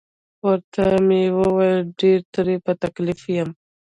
ورته مې وویل: ډیر ترې په تکلیف یم.